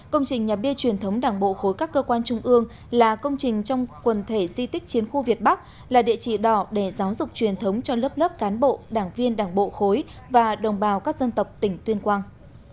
công trình nhà bia truyền thống đảng bộ khối các cơ quan trung ương là công trình trong quần thể di tích chiến khu việt bắc là địa chỉ đỏ để giáo dục truyền thống cho lớp lớp cán bộ đảng viên đảng bộ khối và đồng bào các dân tộc tỉnh tuyên quang